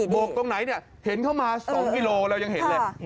บวกตรงไหนเห็นเข้ามาสองวิโลเรายังเห็นเลย